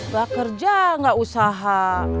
bah kerja gak usaha